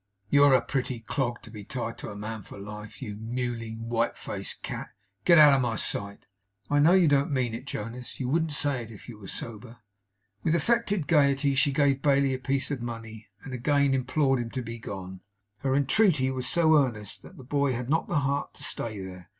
'You're a pretty clog to be tied to a man for life, you mewling, white faced cat! Get out of my sight!' 'I know you don't mean it, Jonas. You wouldn't say it if you were sober.' With affected gayety she gave Bailey a piece of money, and again implored him to be gone. Her entreaty was so earnest, that the boy had not the heart to stay there.